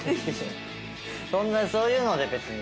そんなそういうので別に。